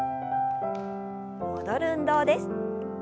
戻る運動です。